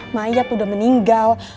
mayat udah meninggal